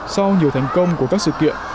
sau nhiều thành công của các sự kiện